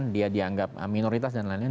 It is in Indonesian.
dia dianggap minoritas dan lain lain